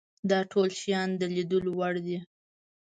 دا ټول شیان د لیدلو وړ دي.